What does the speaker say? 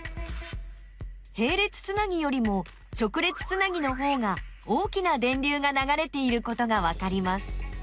へい列つなぎよりも直列つなぎのほうが大きな電流がながれていることがわかります。